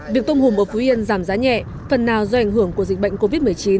việc tôm hùm ở phú yên giảm giá nhẹ phần nào do ảnh hưởng của dịch bệnh covid một mươi chín